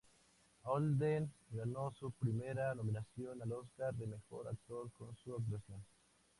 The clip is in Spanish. Holden ganó su primera nominación al Oscar de Mejor Actor con su actuación.